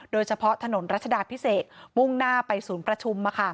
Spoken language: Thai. โดยเฉพาะถนนรัชดาพิเศษมุ่งหน้าไปศูนย์ประชุม